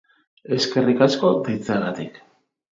Eskerrik asko deitzeagatik.